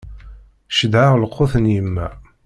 Cedhaɣ lqut n yemma.